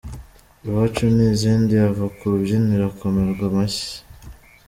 "Iwacu" n’izindi, ava ku rubyiniro akomerwa amashyi.